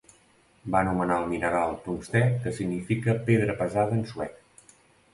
Va anomenar el mineral tungstè, que significa pedra pesada en suec.